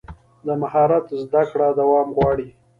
د مهارت زده کړه دوام غواړي.